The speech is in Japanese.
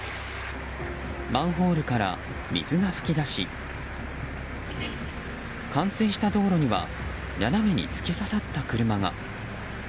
マンホールから水が噴き出し冠水した道路には斜めに突き刺さった車が。